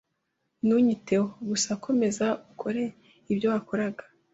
Ntunyiteho. Gusa komeza ukore ibyo wakoraga.